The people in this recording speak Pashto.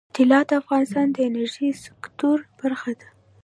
طلا د افغانستان د انرژۍ سکتور برخه ده.